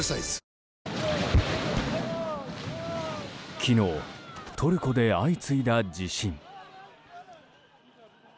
昨日、トルコで相次いだ地震。